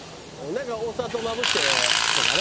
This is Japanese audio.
なんかお砂糖まぶしてとかね。